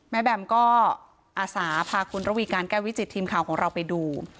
แบมก็อาสาพาคุณระวีการแก้ววิจิตทีมข่าวของเราไปดู